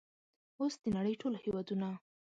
اوس د نړۍ ټول هیوادونه